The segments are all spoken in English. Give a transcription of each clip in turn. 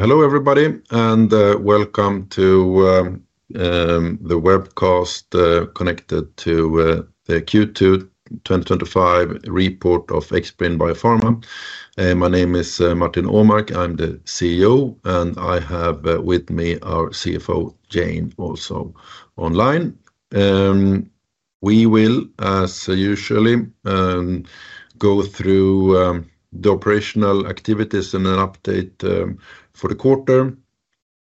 Hello everybody, and welcome to the webcast connected to the Q2 2025 report of Xbrane Biopharma. My name is Martin Åmark, I'm the CEO, and I have with me our CFO, Jane, also online. We will, as usually, go through the operational activities and then update for the quarter.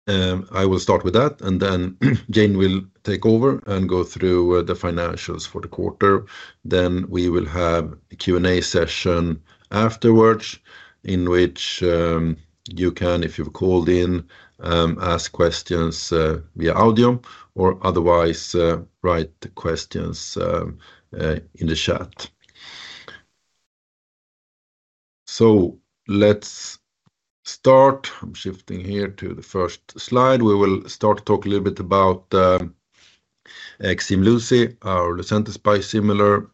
I will start with that, and then Jane will take over and go through the financials for the quarter. Then we will have a Q&A session afterwards, in which you can, if you've called in, ask questions via audio or otherwise write questions in the chat. Let's start. I'm shifting here to the first slide. We will start to talk a little bit about Ximluci, our Lucentis biosimilar.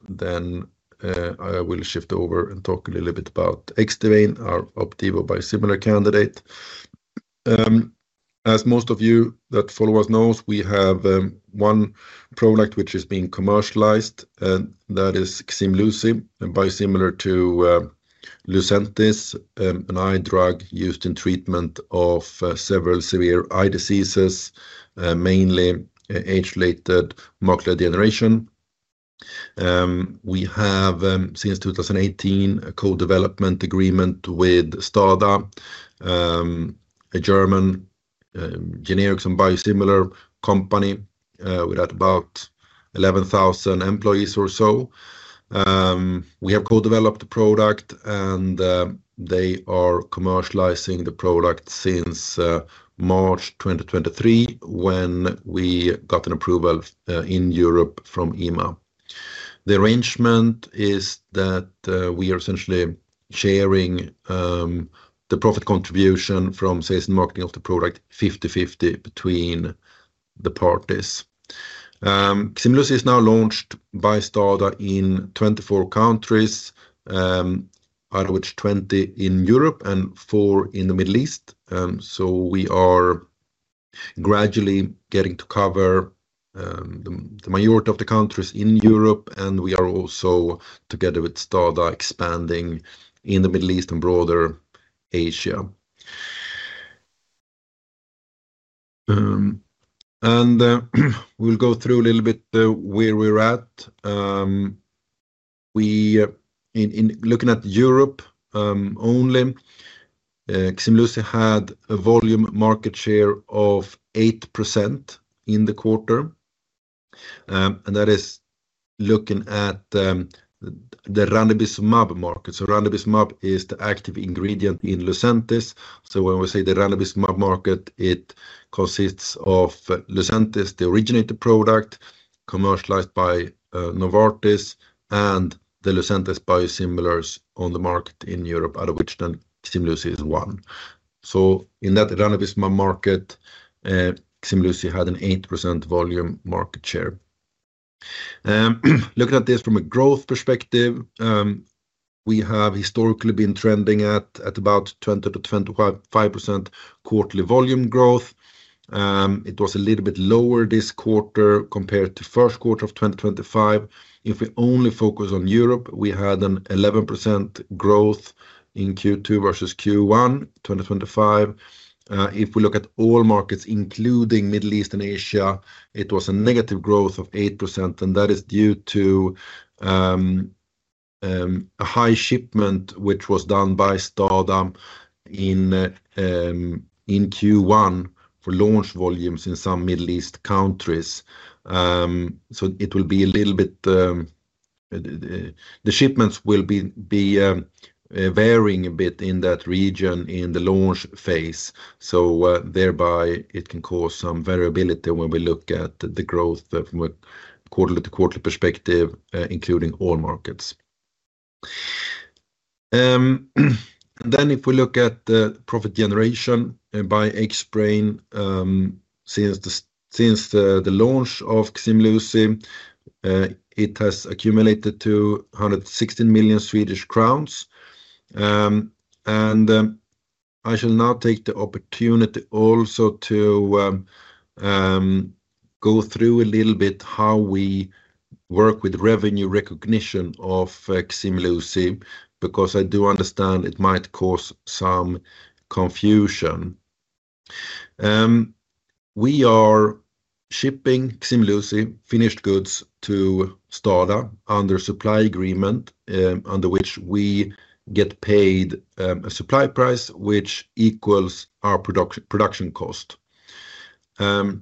I will shift over and talk a little bit about Xtovane, our Opdivo biosimilar candidate. As most of you that follow us know, we have one product which is being commercialized, and that is Ximluci, a biosimilar to Lucentis, an eye drug used in treatment of several severe eye diseases, mainly age-related macular degeneration. We have, since 2018, a co-development agreement with STADA, a German generics and biosimilar company. We're at about 11,000 employees or so. We have co-developed the product, and they are commercializing the product since March 2023, when we got an approval in Europe from EMA. The arrangement is that we are essentially sharing the profit contribution from sales and marketing of the product, 50/50 between the parties. Ximluci is now launched by STADA in 24 countries, out of which 20 in Europe and 4 in the Middle East. We are gradually getting to cover the majority of the countries in Europe, and we are also, together with STADA, expanding in the Middle East and broader Asia. We'll go through a little bit where we're at. Looking at Europe only, Ximluci had a volume market share of 8% in the quarter. That is looking at the ranibizumab market. Ranibizumab is the active ingredient in Lucentis. When we say the ranibizumab market, it consists of Lucentis, the originator product, commercialized by Novartis, and the Lucentis biosimilars on the market in Europe, out of which Ximluci is one. In that Ranibizumab market, Ximluci had an 8% volume market share. Looking at this from a growth perspective, we have historically been trending at about 20%-25% quarterly volume growth. It was a little bit lower this quarter compared to the first quarter of 2025. If we only focus on Europe, we had an 11% growth in Q2 versus Q1 2025. If we look at all markets, including Middle East and Asia, it was a negative growth of 8%. That is due to a high shipment, which was done by STADA in Q1 for launch volumes in some Middle East countries. It will be a little bit... The shipments will be varying a bit in that region in the launch phase. It can cause some variability when we look at the growth from a quarterly to quarterly perspective, including all markets. If we look at the profit generation by Xbrane, since the launch of Ximluci, it has accumulated SEK 116 million. I shall now take the opportunity also to go through a little bit how we work with revenue recognition of Ximluci, because I do understand it might cause some confusion. We are shipping Ximluci finished goods to STADA under a supply agreement, under which we get paid a supply price, which equals our production cost. STADA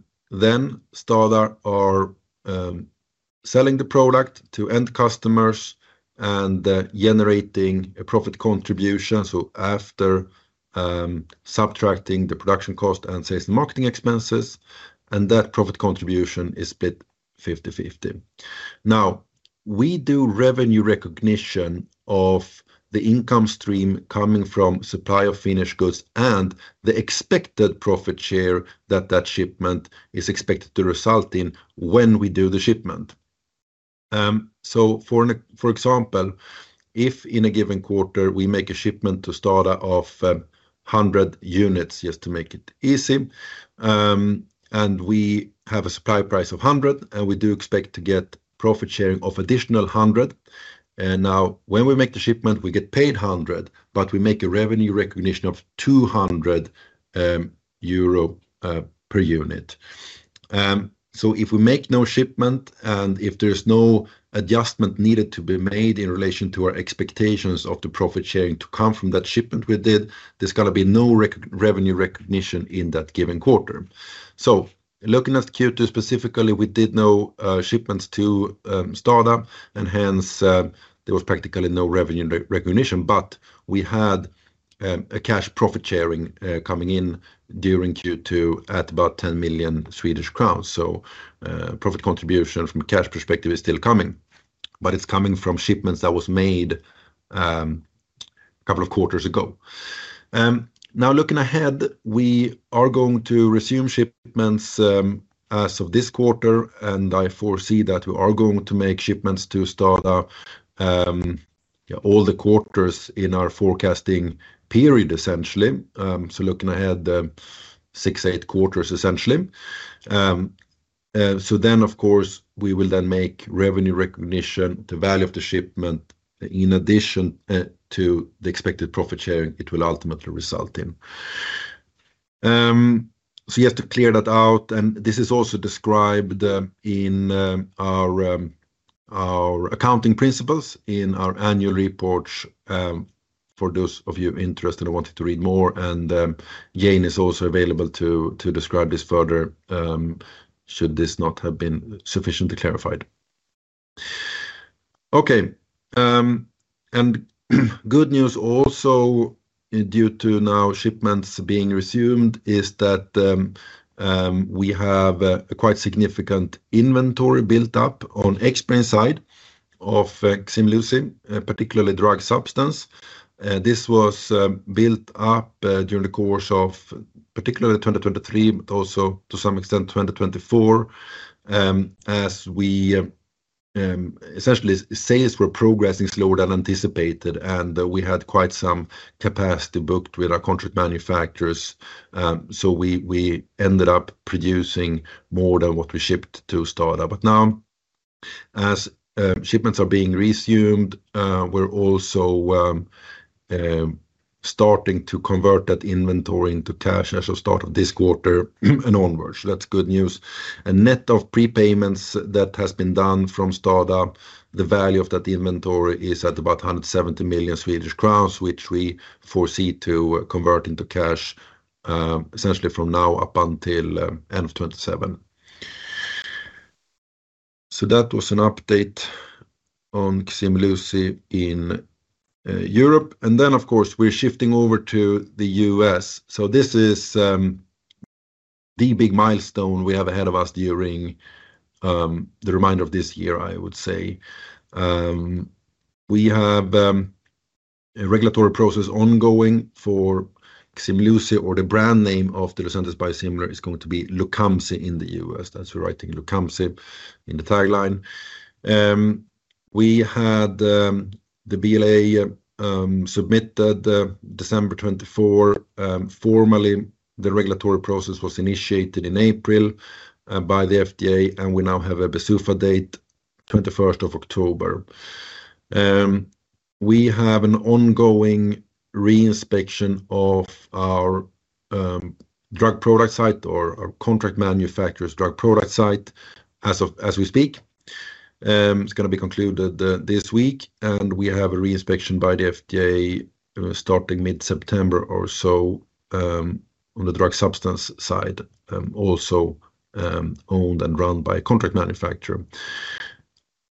is selling the product to end customers and generating a profit contribution. After subtracting the production cost and sales and marketing expenses, that profit contribution is split 50/50. We do revenue recognition of the income stream coming from the supply of finished goods and the expected profit share that that shipment is expected to result in when we do the shipment. For example, if in a given quarter we make a shipment to STADA of 100 units, just to make it easy, and we have a supply price of 100, and we do expect to get profit sharing of additional 100. When we make the shipment, we get paid 100, but we make a revenue recognition of 200 euro per unit. If we make no shipment and if there is no adjustment needed to be made in relation to our expectations of the profit sharing to come from that shipment we did, there's going to be no revenue recognition in that given quarter. Looking at Q2 specifically, we did no shipments to STADA, and hence there was practically no revenue recognition, but we had a cash profit sharing coming in during Q2 at about 10 million Swedish crowns. Profit contribution from a cash perspective is still coming, but it's coming from shipments that were made a couple of quarters ago. Looking ahead, we are going to resume shipments as of this quarter, and I foresee that we are going to make shipments to STADA all the quarters in our forecasting period, essentially. Looking ahead, six to eight quarters, essentially. Of course, we will then make revenue recognition to the value of the shipment in addition to the expected profit sharing it will ultimately result in. You have to clear that out, and this is also described in our accounting principles in our annual reports for those of you interested and wanting to read more. Jane is also available to describe this further should this not have been sufficiently clarified. Good news also, due to shipments being resumed, is that we have a quite significant inventory built up on the Xbrane side of Ximluci, particularly drug substance. This was built up during the course of particularly 2023, but also to some extent 2024, as sales were progressing slower than anticipated, and we had quite some capacity booked with our contract manufacturers. We ended up producing more than what we shipped to STADA. Now, as shipments are being resumed, we're also starting to convert that inventory into cash as of the start of this quarter and onwards. That's good news. A net of prepayments that has been done from STADA, the value of that inventory is at about 170 million Swedish crowns, which we foresee to convert into cash essentially from now up until the end of 2027. That was an update on Ximluci in Europe. We're shifting over to the U.S. This is the big milestone we have ahead of us during the remainder of this year, I would say. We have a regulatory process ongoing for Ximluci, or the brand name of the Lucentis biosimilar is going to be Lucumsi in the U.S. That's the right thing, Lucumsi in the tagline. We had the BLA submitted December 2024. Formally, the regulatory process was initiated in April by the FDA, and we now have a PDUFA date 21st of October. We have an ongoing reinspection of our drug product site or our contract manufacturer's drug product site as we speak. It's going to be concluded this week, and we have a reinspection by the FDA starting mid-September or so on the drug substance side, also owned and run by a contract manufacturer.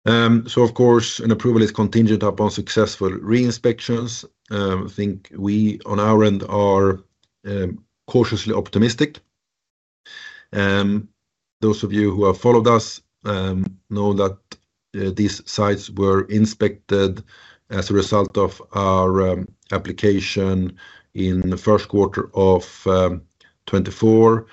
Of course, an approval is contingent upon successful reinspections. I think we, on our end, are cautiously optimistic. Those of you who have followed us know that these sites were inspected as a result of our application in the first quarter of 2024.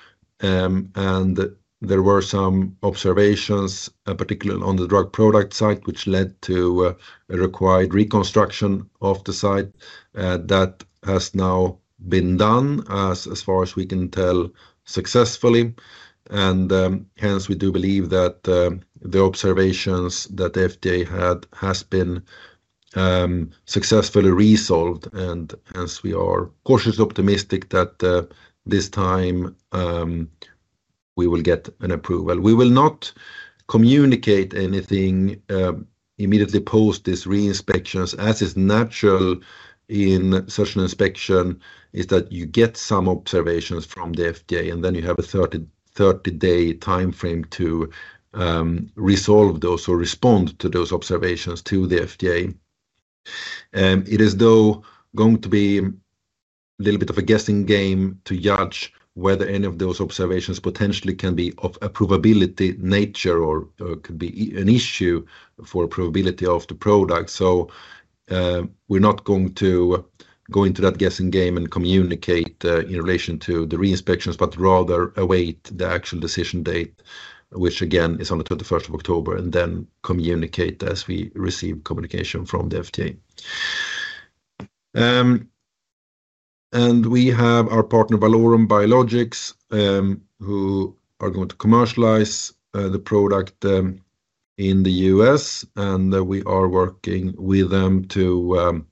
There were some observations, particularly on the drug product site, which led to a required reconstruction of the site. That has now been done, as far as we can tell, successfully. Hence, we do believe that the observations that the FDA had have been successfully resolved. Hence, we are cautiously optimistic that this time we will get an approval. We will not communicate anything immediately post these reinspections. As is natural in such an inspection, you get some observations from the FDA, and then you have a 30-day timeframe to resolve those or respond to those observations to the FDA. It is going to be a little bit of a guessing game to judge whether any of those observations potentially can be of a probability nature or could be an issue for probability of the product. We are not going to go into that guessing game and communicate in relation to the reinspections, but rather await the actual decision date, which again is on the 21st of October, and then communicate as we receive communication from the FDA. We have our partner, Valorum Biologics, who are going to commercialize the product in the U.S., and we are working with them to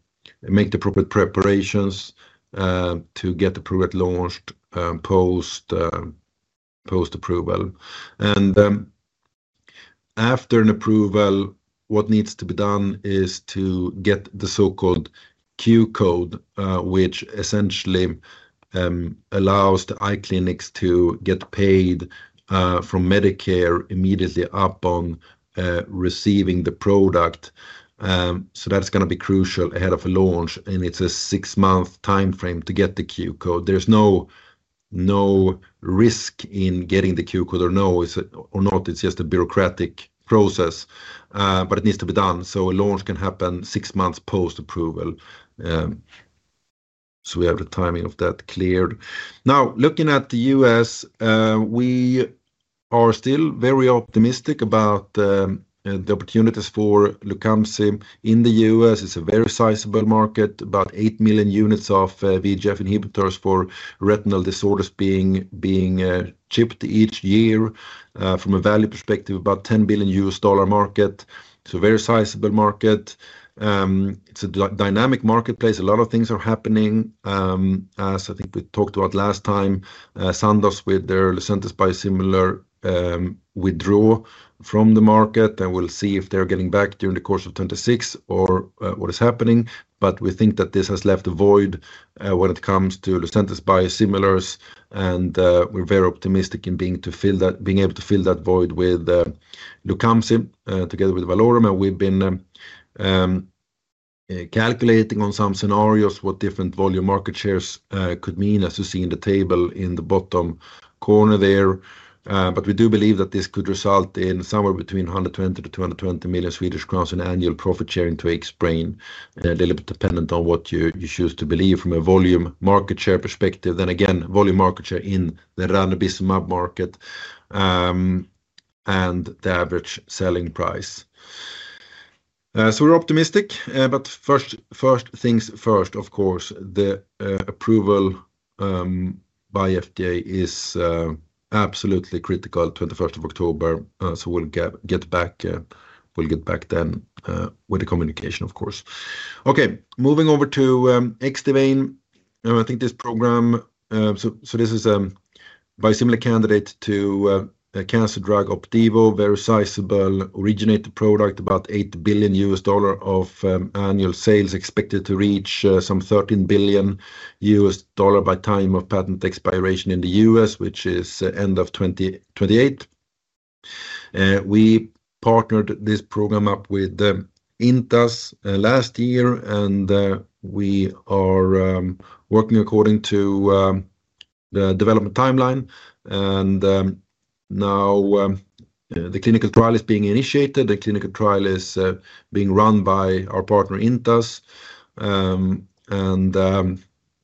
make the proper preparations to get the product launched post-approval. After an approval, what needs to be done is to get the so-called Q code, which essentially allows the eye clinics to get paid from Medicare immediately upon receiving the product. That is going to be crucial ahead of a launch, and it's a six-month timeframe to get the Q code. There is no risk in getting the Q code or not. It's just a bureaucratic process, but it needs to be done. A launch can happen six months post-approval, so we have the timing of that cleared. Now, looking at the U.S., we are still very optimistic about the opportunities for Lucumsi in the U.S. It's a very sizable market, about 8 million units of VEGF inhibitors for retinal disorders being shipped each year. From a value perspective, about $10 billion market. It's a very sizable market. It's a dynamic marketplace. A lot of things are happening. As I think we talked about last time, Sandoz with their Lucentis biosimilar withdrew from the market. We will see if they're getting back during the course of 2026 or what is happening. We think that this has left a void when it comes to Lucentis biosimilars, and we're very optimistic in being able to fill that void with Lucumsi together with Valorum. We've been calculating on some scenarios what different volume market shares could mean, as you see in the table in the bottom corner there. We do believe that this could result in somewhere between 120 million-220 million Swedish crowns in annual profit sharing to Xbrane. They're a little bit dependent on what you choose to believe from a volume market share perspective. Volume market share in the ranibizumab market and the average selling price are factors. We're optimistic. First things first, of course, the approval by the FDA is absolutely critical, October 21. We'll get back then with the communication, of course. Moving over to Xtovane. I think this program, this is a biosimilar candidate to a cancer drug, Opdivo, a very sizable originator product, about $8 billion of annual sales expected to reach some $13 billion by the time of patent expiration in the U.S., which is the end of 2028. We partnered this program up with Intas last year, and we are working according to the development timeline. Now the clinical trial is being initiated. The clinical trial is being run by our partner Intas, and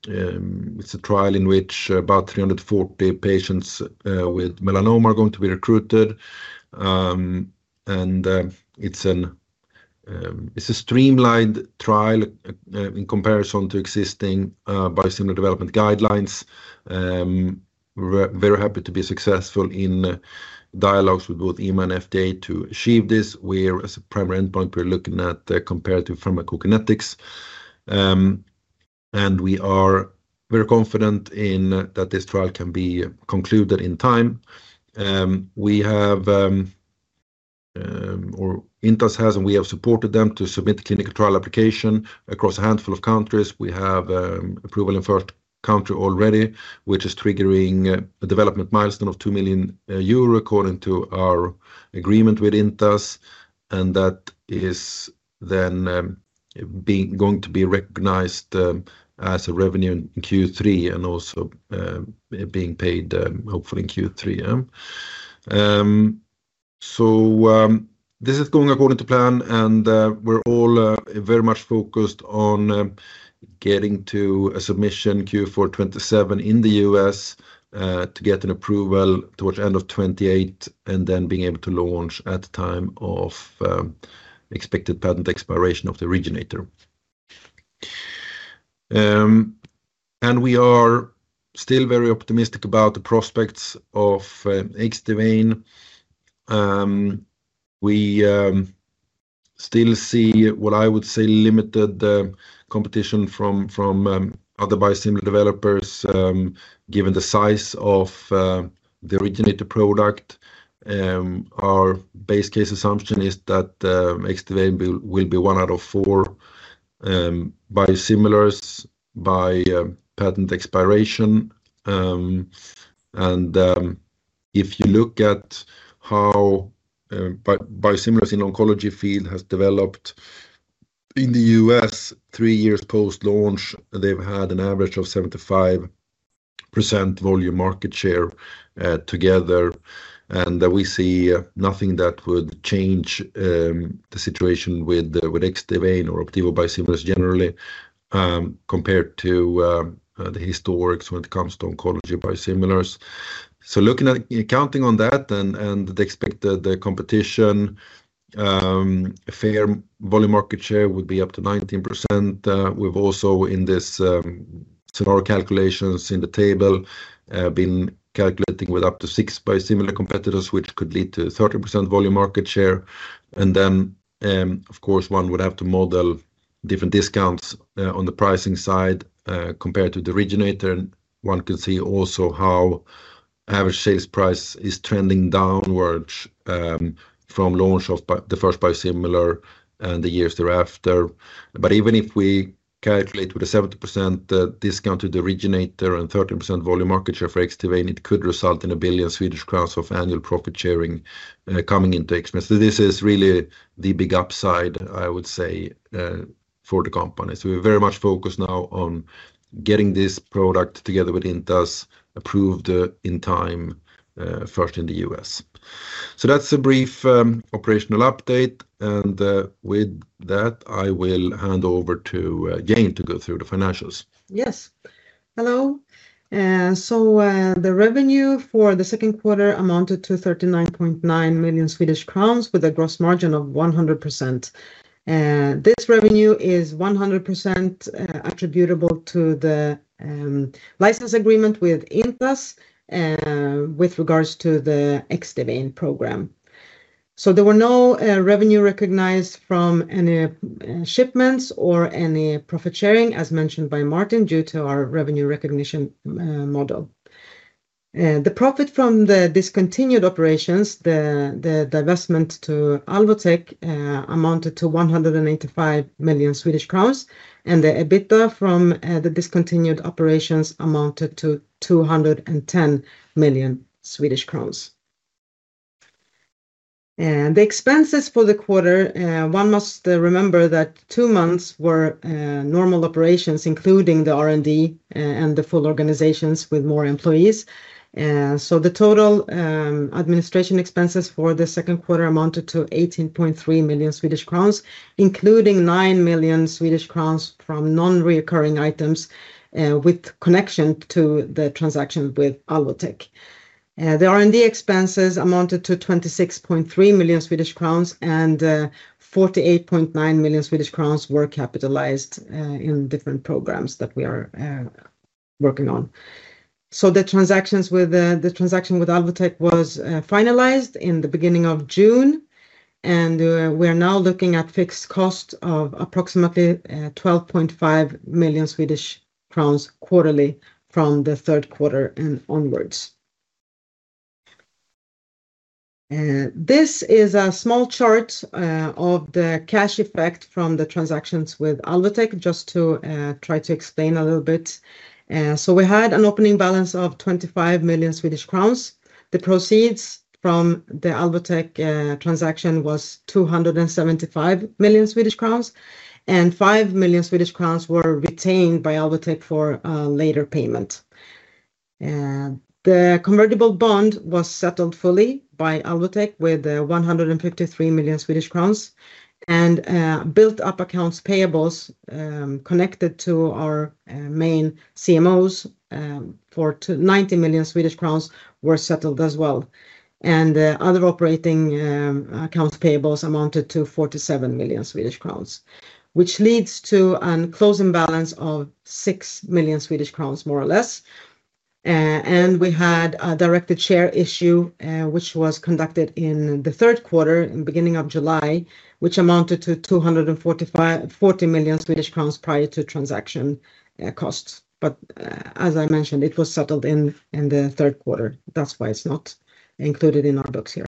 it's a trial in which about 340 patients with melanoma are going to be recruited. It's a streamlined trial in comparison to existing biosimilar development guidelines. We're very happy to be successful in dialogues with both EMA and FDA to achieve this. As a primary endpoint, we're looking at comparative pharmacokinetics, and we are very confident that this trial can be concluded in time. We have, or Intas has, and we have supported them to submit a clinical trial application across a handful of countries. We have approval in the first country already, which is triggering a development milestone of 2 million euro according to our agreement with Intas. That is then going to be recognized as revenue in Q3 and also being paid, hopefully, in Q3. This is going according to plan, and we're all very much focused on getting to a submission Q4 2027 in the U.S. to get an approval towards the end of 2028 and then being able to launch at the time of expected patent expiration of the originator. We are still very optimistic about the prospects of Xtovane. We still see, what I would say, limited competition from other biosimilar developers given the size of the originator product. Our base case assumption is that Xtovane will be one out of four biosimilars by patent expiration. If you look at how biosimilars in the oncology field have developed in the U.S. three years post-launch, they've had an average of 75% volume market share together. We see nothing that would change the situation with Xtovane or Opdivo biosimilars generally compared to the historics when it comes to oncology biosimilars. Looking at counting on that and the expected competition, a fair volume market share would be up to 19%. We've also, in this scenario calculations in the table, been calculating with up to six biosimilar competitors, which could lead to 30% volume market share. Of course, one would have to model different discounts on the pricing side compared to the originator. One could see also how the average sales price is trending downwards from the launch of the first biosimilar and the years thereafter. Even if we calculate with a 70% discount to the originator and 30% volume market share for Xtovane, it could result in 1 billion Swedish crowns of annual profit sharing coming into Xtovane. This is really the big upside, I would say, for the company. We are very much focused now on getting this product together with Intas Pharmaceuticals, approved in time, first in the U.S. That's a brief operational update. With that, I will hand over to Jane to go through the financials. Yes. Hello. The revenue for the second quarter amounted to 39.9 million Swedish crowns with a gross margin of 100%. This revenue is 100% attributable to the license agreement with Intas Pharmaceuticals with regards to the Xtovane program. There were no revenue recognized from any shipments or any profit sharing, as mentioned by Martin, due to our revenue recognition model. The profit from the discontinued operations, the divestment to Alvotech, amounted to 185 million Swedish crowns, and the EBITDA from the discontinued operations amounted to 210 million Swedish crowns. The expenses for the quarter, one must remember that two months were normal operations, including the R&D and the full organizations with more employees. The total administration expenses for the second quarter amounted to 18.3 million Swedish crowns, including 9 million Swedish crowns from non-recurring items in connection to the transaction with Alvotech. The R&D expenses amounted to 26.3 million Swedish crowns, and 48.9 million Swedish crowns were capitalized in different programs that we are working on. The transaction with Alvotech was finalized in the beginning of June, and we are now looking at fixed costs of approximately 12.5 million Swedish crowns quarterly from the third quarter and onwards. This is a small chart of the cash effect from the transactions with Alvotech, just to try to explain a little bit. We had an opening balance of 25 million Swedish crowns. The proceeds from the Alvotech transaction were 275 million Swedish crowns, and 5 million Swedish crowns were retained by Alvotech for later payment. The convertible bond was settled fully by Alvotech with 153 million Swedish crowns, and built-up accounts payables connected to our main CMOs for 90 million Swedish crowns were settled as well. The other operating accounts payables amounted to 47 million Swedish crowns, which leads to a closing balance of 6 million Swedish crowns, more or less. We had a directed share issue, which was conducted in the third quarter, in the beginning of July, which amounted to 240 million Swedish crowns prior to transaction costs. As I mentioned, it was settled in the third quarter. That's why it's not included in our books here.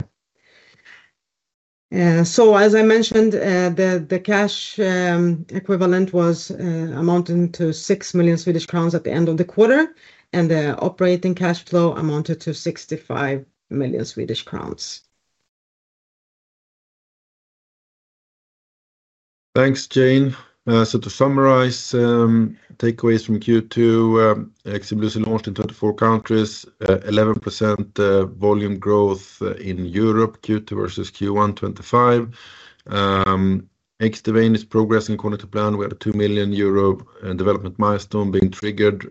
As I mentioned, the cash equivalent was amounting to 6 million Swedish crowns at the end of the quarter, and the operating cash flow amounted to 65 million Swedish crowns. Thanks, Jane. To summarize, takeaways from Q2: Ximluci launched in 24 countries, 11% volume growth in Europe, Q2 versus Q1 2025. Xtovane is progressing according to plan. We have a 2 million euro development milestone being triggered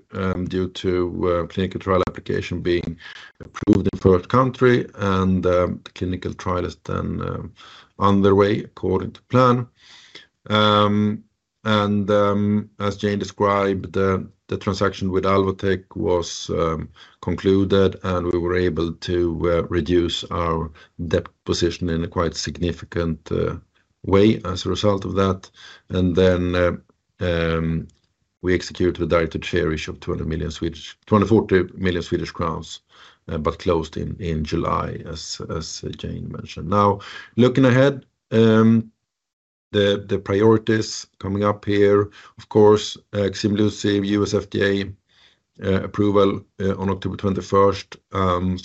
due to clinical trial application being approved in the first country, and the clinical trial is underway according to plan. As Jane described, the transaction with Alvotech was concluded, and we were able to reduce our debt position in a quite significant way as a result of that. We executed a directed share issue of 24 million, but closed in July, as Jane mentioned. Now, looking ahead, the priorities coming up here: of course, Ximluci, U.S. FDA approval on October 21.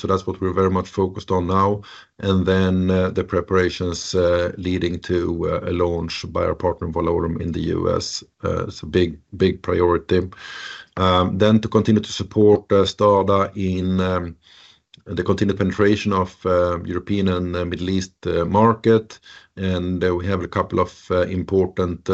That's what we're very much focused on now. The preparations leading to a launch by our partner Valorum Biologics in the U.S. is a big, big priority. We will continue to support STADA in the continued penetration of the European and Middle East market. We have a couple of important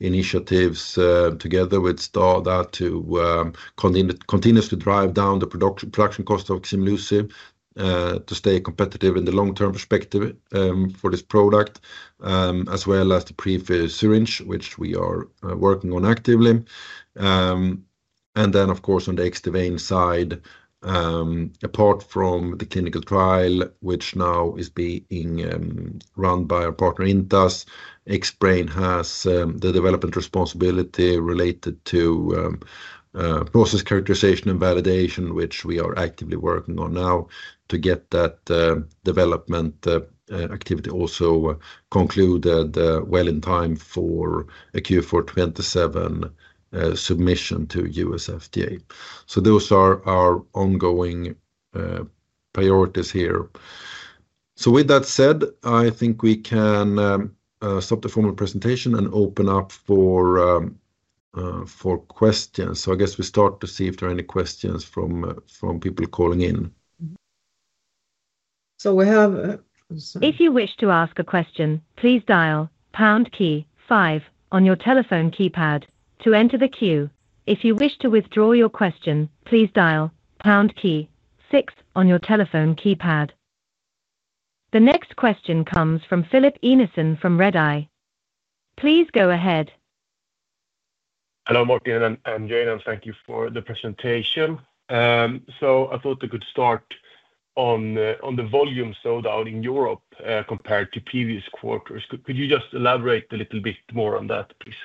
initiatives together with STADA to continuously drive down the production cost of Ximluci to stay competitive in the long-term perspective for this product, as well as the pre-filled syringe variant, which we are working on actively. On the Xtovane side, apart from the clinical trial, which now is being run by our partner Intas Pharmaceuticals, Xtovane has the development responsibility related to process characterization and validation, which we are actively working on now to get that development activity also concluded well in time for a Q4 2027 submission to U.S. FDA. Those are our ongoing priorities here. With that said, I think we can stop the formal presentation and open up for questions. I guess we start to see if there are any questions from people calling in. If you wish to ask a question, please dial pound key five on your telephone keypad to enter the queue. If you wish to withdraw your question, please dial pound key six on your telephone keypad. The next question comes from Filip Einarsson from Redeye. Please go ahead. Hello, Martin and Jane. Thank you for the presentation. I thought we could start on the volume sold out in Europe compared to previous quarters. Could you just elaborate a little bit more on that, please?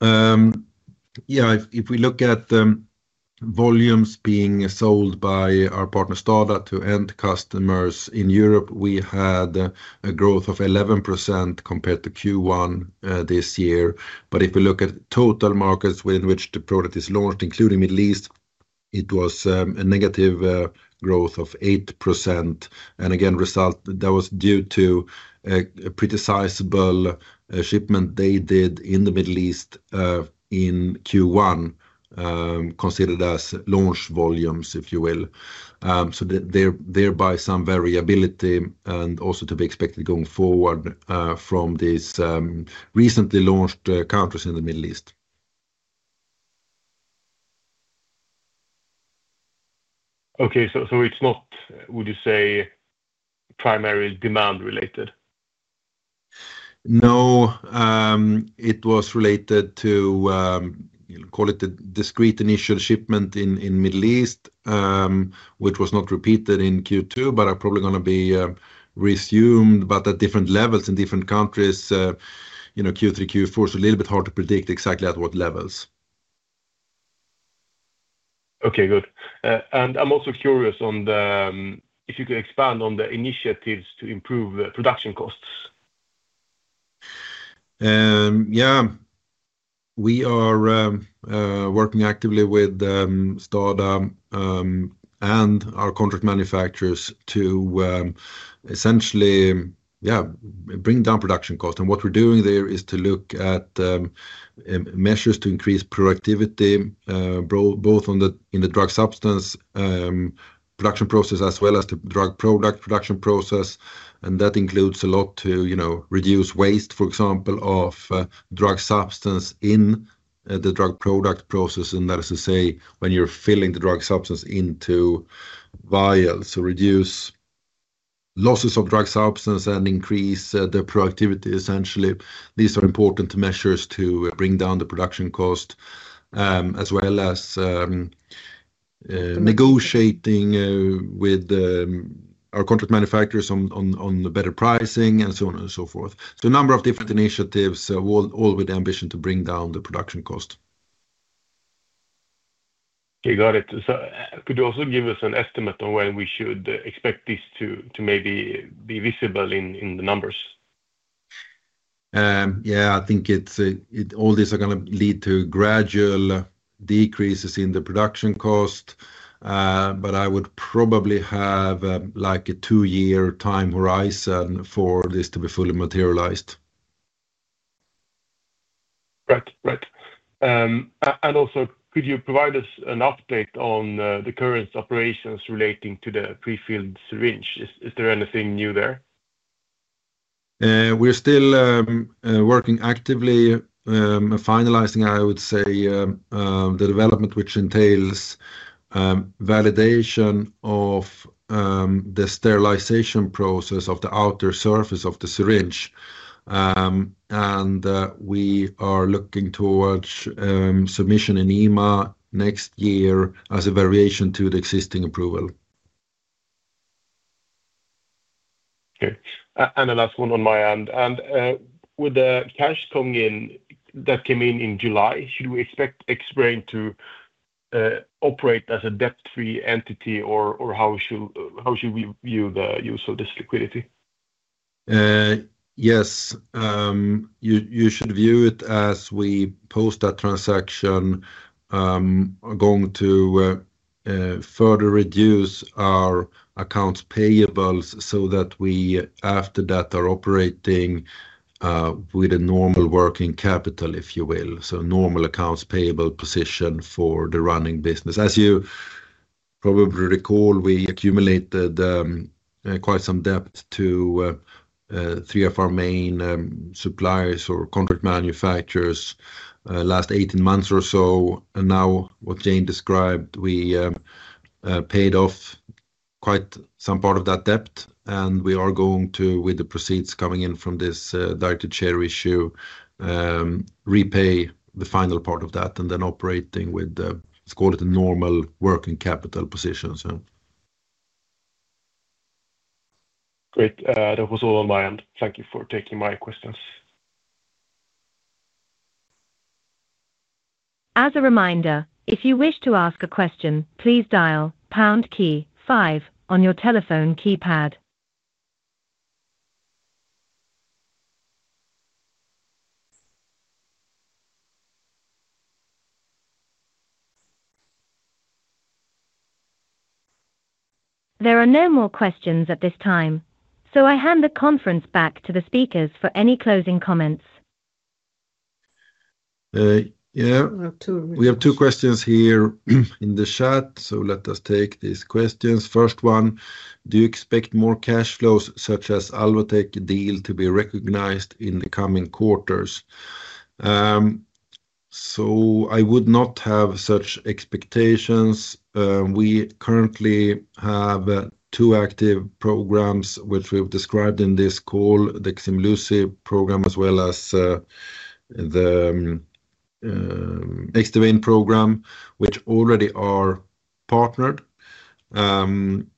Yeah. If we look at the volumes being sold by our partner STADA Arzneimittel to end customers in Europe, we had a growth of 11% compared to Q1 this year. If we look at total markets within which the product is launched, including the Middle East, it was a negative growth of 8%. That was due to a pretty sizable shipment they did in the Middle East in Q1, considered as launch volumes, if you will. Thereby, some variability and also to be expected going forward from these recently launched countries in the Middle East. Okay. It's not, would you say, primarily demand-related? No. It was related to, call it, the discrete initial shipment in the Middle East, which was not repeated in Q2, but are probably going to be resumed, but at different levels in different countries, Q3, Q4. It is a little bit hard to predict exactly at what levels. Okay, good. I'm also curious if you could expand on the initiatives to improve production costs. We are working actively with STADA and our contract manufacturers to essentially bring down production costs. What we're doing there is to look at measures to increase productivity, both in the drug substance production process as well as the drug product production process. That includes a lot to reduce waste, for example, of drug substance in the drug product process. That is to say, when you're filling the drug substance into vials, to reduce losses of drug substance and increase the productivity, essentially. These are important measures to bring down the production cost, as well as negotiating with our contract manufacturers on better pricing and so on and so forth. A number of different initiatives, all with the ambition to bring down the production cost. Okay, got it. Could you also give us an estimate on when we should expect this to maybe be visible in the numbers? Yeah, I think all these are going to lead to gradual decreases in the production cost. I would probably have like a two-year time horizon for this to be fully materialized. Right. Could you provide us an update on the current operations relating to the pre-filled syringe? Is there anything new there? We're still working actively, finalizing, I would say, the development, which entails validation of the sterilization process of the outer surface of the syringe. We are looking towards submission in EMA next year as a variation to the existing approval. Okay. With the cash coming in that came in in July, should we expect Xbrane to operate as a debt-free entity, or how should we view the use of this liquidity? Yes. You should view it as we post that transaction are going to further reduce our accounts payables so that we, after that, are operating with a normal working capital, if you will. A normal accounts payable position for the running business. As you probably recall, we accumulated quite some debt to three of our main suppliers or contract manufacturers the last 18 months or so. What Jane described, we paid off quite some part of that debt. We are going to, with the proceeds coming in from this directed share issue, repay the final part of that and then operate with, let's call it, a normal working capital position. Great. That was all on my end. Thank you for taking my questions. As a reminder, if you wish to ask a question, please dial the pound key five on your telephone keypad. There are no more questions at this time. I hand the conference back to the speakers for any closing comments. We have two questions here in the chat. Let us take these questions. First one, do you expect more cash flows such as the Alvotech deal to be recognized in the coming quarters? I would not have such expectations. We currently have two active programs, which we've described in this call, the Ximluci program as well as the Xtovane program, which already are partnered, Ximluci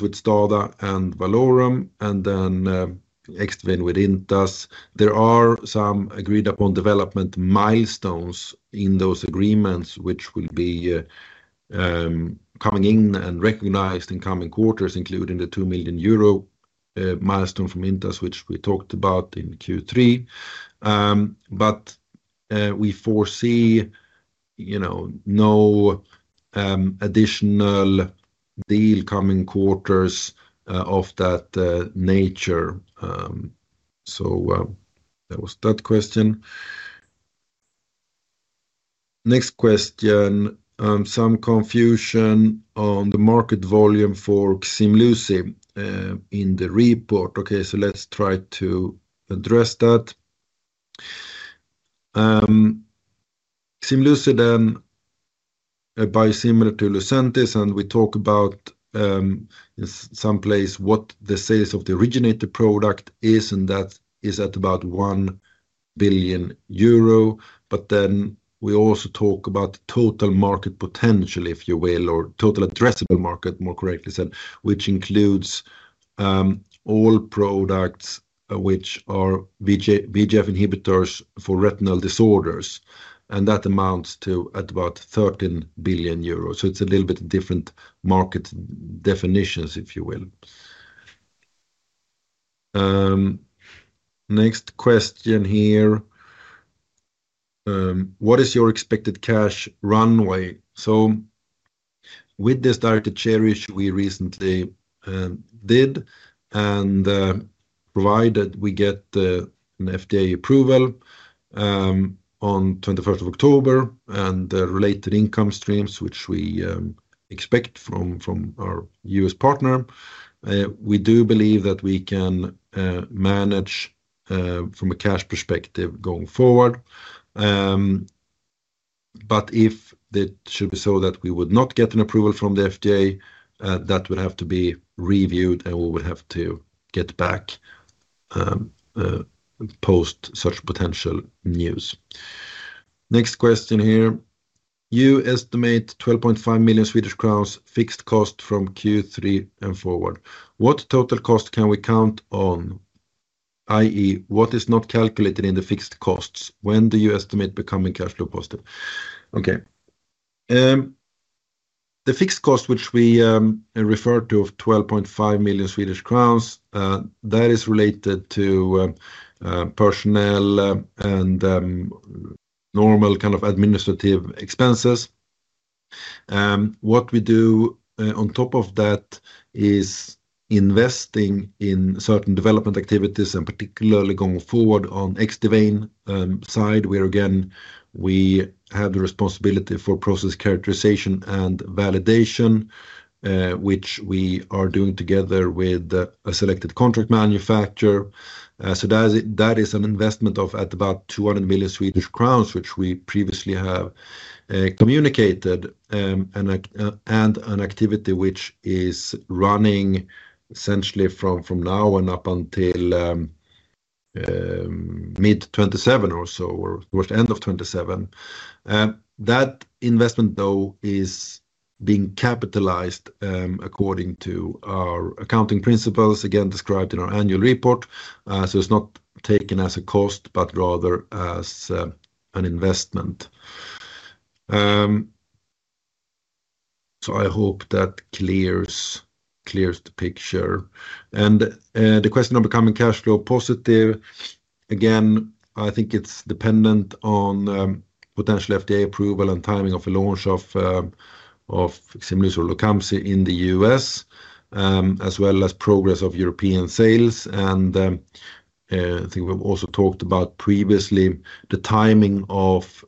with STADA and Valorum, and then Xtovane with Intas. There are some agreed-upon development milestones in those agreements, which will be coming in and recognized in coming quarters, including the €2 million milestone from Intas, which we talked about in Q3. We foresee no additional deal in coming quarters of that nature. That was that question. Next question, some confusion on the market volume for Ximluci in the report. Let's try to address that. Ximluci is a biosimilar to Lucentis, and we talk about in some place what the size of the originator product is, and that is at about 1 billion euro. We also talk about the total market potential, if you will, or total addressable market, more correctly said, which includes all products which are VEGF inhibitors for retinal disorders. That amounts to about 13 billion euros. It's a little bit different market definitions, if you will. Next question here. What is your expected cash runway? With this directed share issue we recently did, and provided we get an FDA approval on the 21st of October and related income streams, which we expect from our U.S. partner, we do believe that we can manage from a cash perspective going forward. If it should be so that we would not get an approval from the FDA, that would have to be reviewed, and we would have to get back post such potential news. Next question here. You estimate 12.5 million Swedish crowns fixed cost from Q3 and forward. What total cost can we count on, i.e., what is not calculated in the fixed costs? When do you estimate becoming cash flow positive? The fixed cost, which we refer to of 12.5 million Swedish crowns, is related to personnel and normal kind of administrative expenses. What we do on top of that is investing in certain development activities and particularly going forward on the Xtovane side, where again we have the responsibility for process characterization and validation, which we are doing together with a selected contract manufacturer. That is an investment of about 200 million Swedish crowns, which we previously have communicated, and an activity which is running essentially from now and up until mid 2027 or so, towards the end of 2027. That investment, though, is being capitalized according to our accounting principles, again described in our annual report. It is not taken as a cost, but rather as an investment. I hope that clears the picture. The question on becoming cash flow positive, again, I think it's dependent on potential FDA approval and timing of the launch of Ximluci or Lucumsi in the U.S., as well as progress of European sales. I think we've also talked about previously the timing of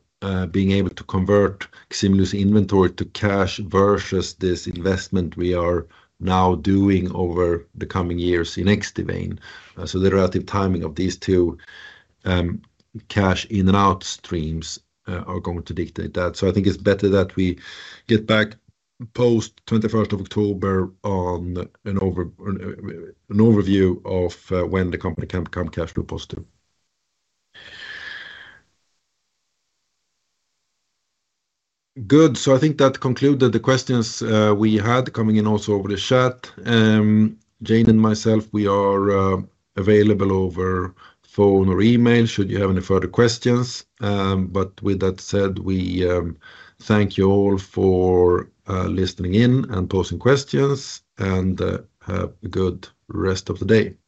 being able to convert Ximluci inventory to cash versus this investment we are now doing over the coming years in Xtovane. The relative timing of these two cash in and out streams are going to dictate that. I think it's better that we get back post 21st of October on an overview of when the company can become cash flow positive. Good. I think that concluded the questions we had coming in also over the chat. Jane and myself, we are available over phone or email should you have any further questions. With that said, we thank you all for listening in and posing questions, and have a good rest of the day. Thanks.